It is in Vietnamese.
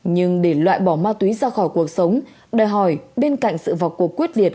nhưng để loại bỏ ma túy ra khỏi cuộc sống đòi hỏi bên cạnh sự vào cuộc quyết liệt